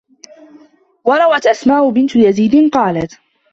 وَرَوَتْ أَسْمَاءُ بِنْتُ يَزِيدَ قَالَتْ